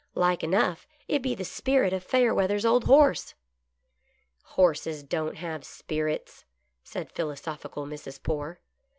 Like enough it be the spirit of Fayerweatlier's old horse." " Florses don't have spirits," said philosophical Mrs. Poore.